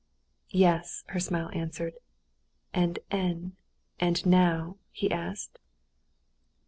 "Yes," her smile answered. "And n... and now?" he asked.